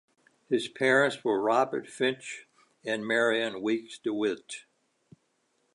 His parents were Robert Fitch and Marion Weeks De Witt.